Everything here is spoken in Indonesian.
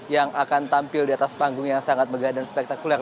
yang akan tampil di atas panggung yang sangat megah dan spektakuler